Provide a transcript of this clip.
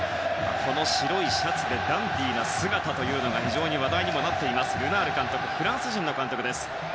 この白いシャツでダンディーな姿というのが非常に話題になっているサウジアラビアのルナール監督はフランス人の監督です。